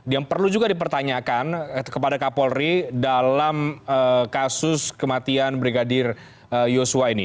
yang perlu juga dipertanyakan kepada kapolri dalam kasus kematian brigadir yosua ini